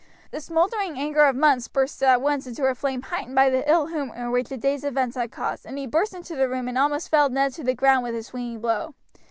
The smoldering anger of months burst at once into a flame heightened by the ill humor which the day's events had caused, and he burst into the room and almost felled Ned to the ground with his swinging blow.